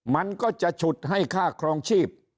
มันก็จะฉุดให้ค่าครองชีพ